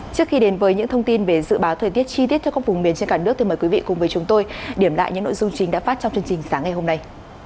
trước khi đến với những thông tin về dự báo thời tiết chi tiết cho các vùng miền trên cả nước thì mời quý vị cùng với chúng tôi điểm lại những nội dung chính đã phát trong chương trình sáng ngày hôm nay